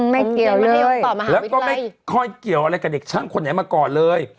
ไม่เกี่ยวไม่ได้ยกต่อมาแล้วก็ไม่ค่อยเกี่ยวอะไรกับเด็กช่างคนไหนมาก่อนเลย